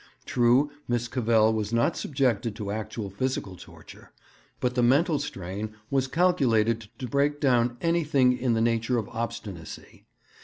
True, Miss Cavell was not subjected to actual physical torture, but the mental strain was calculated to break down anything in the nature of obstinacy.